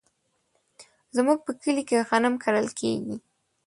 زمونږ په کلي کې غنم کرل کیږي.